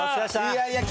いやいや。